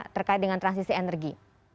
terkait dengan transisi energi